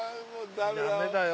ダメだよ。